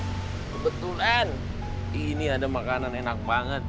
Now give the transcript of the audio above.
kebetulan ini ada makanan enak banget